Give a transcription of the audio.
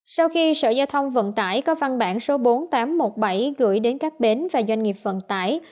sau khi sở giao thông vận tải có văn bản số bốn nghìn tám trăm một mươi bảy gửi đến các bến và doanh nghiệp vận tải